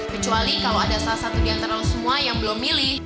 kecuali kalau ada salah satu di antara semua yang belum milih